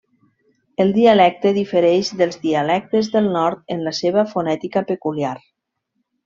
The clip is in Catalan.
El dialecte difereix dels dialectes del nord en la seva fonètica peculiar.